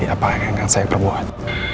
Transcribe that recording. lihat nanti apa yang akan saya perbuat